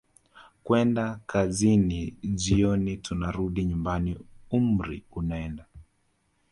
kwenda kazini jioni tunarudi nyumbani umri unaenda